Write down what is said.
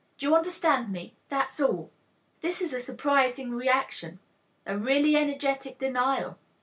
Do you understand me? That's all." H'm, this is a surprising reaction, a really energetic denial.